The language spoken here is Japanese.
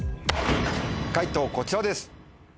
解答こちらです。